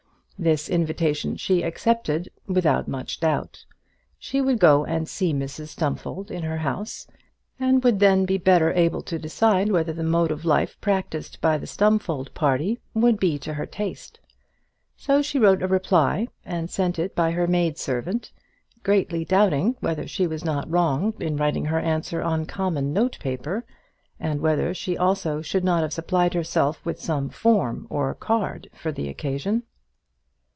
This invitation she accepted without much doubt. She would go and see Mrs Stumfold in her house, and would then be better able to decide whether the mode of life practised by the Stumfold party would be to her taste. So she wrote a reply, and sent it by her maid servant, greatly doubting whether she was not wrong in writing her answer on common note paper, and whether she also should not have supplied herself with some form or card for the occasion.